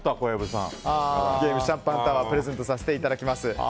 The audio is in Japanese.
ゲーム・シャンパンタワープレゼントさせていただきます。